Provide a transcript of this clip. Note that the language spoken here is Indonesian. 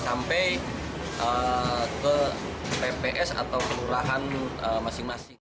sampai ke pps atau kelurahan masing masing